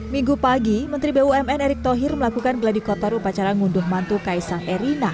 minggu pagi menteri bumn erick thohir melakukan geladi kotor upacara ngunduh mantu kaisang erina